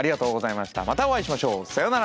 またお会いしましょう。さようなら！